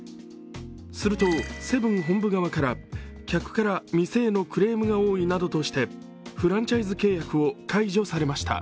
するとセブン本部側から、客から店へのクレームが多いなどとして、フランチャイズ契約を解除されました。